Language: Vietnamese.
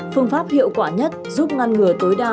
phương pháp hiệu quả nhất giúp ngăn ngừa tối đa